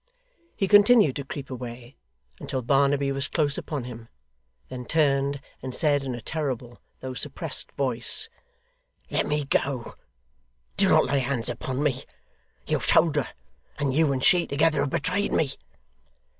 He continued to creep away, until Barnaby was close upon him; then turned, and said in a terrible, though suppressed voice: 'Let me go. Do not lay hands upon me. You have told her; and you and she together have betrayed me!